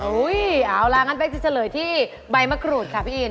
เอาล่ะงั้นเป๊กจะเฉลยที่ใบมะกรูดค่ะพี่อิน